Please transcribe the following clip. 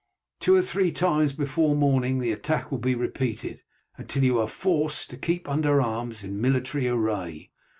Two or three times before morning the attack will be repeated, until you are forced to keep under arms in military array.